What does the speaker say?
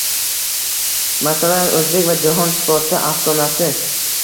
Masalan, o‘zbek va jahon sporti afsonasi.